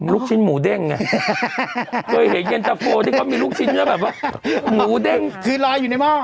ลูกชิ้นหมูเด้งไงเคยเห็นเย็นตะโฟที่เขามีลูกชิ้นแล้วแบบว่าหมูเด้งคือลอยอยู่ในหม้อ